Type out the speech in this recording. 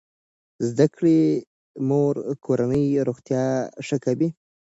زده کړې مور کورنۍ روغتیا ښه کوي.